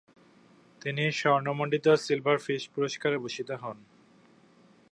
তিনি স্বর্ণমণ্ডিত silver fish পুরস্কারে ভূষিত হন।